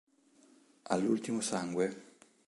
All'ultimo sangue